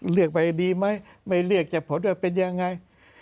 เรียกไปดีไหมไม่เรียกจะผลว่าเป็นยังไง